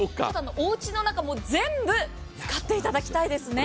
おうちの中、全部使っていただきたいですね。